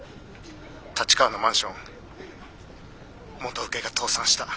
立川のマンション元請けが倒産した。